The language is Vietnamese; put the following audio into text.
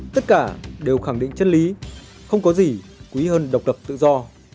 tất cả đều khẳng định chân lý không có gì quý hơn độc lập tự do